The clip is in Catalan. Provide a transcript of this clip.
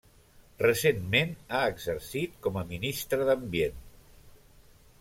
Recentment ha exercit com a Ministra d'Ambient.